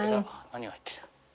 何が入ってる？